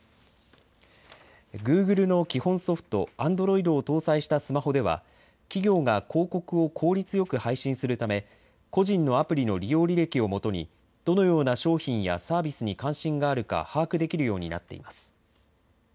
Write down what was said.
グーグルの基本ソフト、アンドロイドを搭載したスマホでは、企業が広告を効率よく配信するため、個人のアプリの利用履歴を基に、どのような商品やサービスに関心があるか、把握できるようになっています。